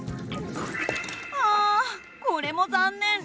あこれも残念。